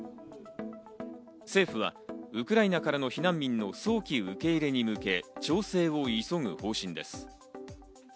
政府はウクライナからの避難民の早期受け入れに向け、調整を急ぐ方針です。